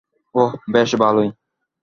ওহ, বেশ ভালোই।